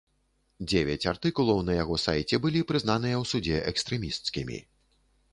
Дзевяць артыкулаў на яго сайце былі прызнаныя ў судзе экстрэмісцкімі.